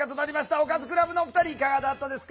おかずクラブのお二人いかがだったですか？